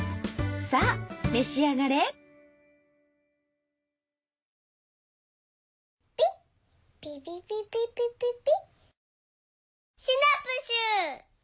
さぁ召し上がれピッピピピピピピピ。